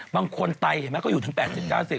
บางคนไตเห็นไหมก็อยู่ถึง๘๐๙๐